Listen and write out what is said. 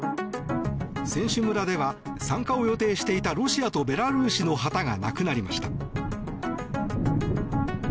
選手村では参加を予定していたロシアとベラルーシの旗がなくなりました。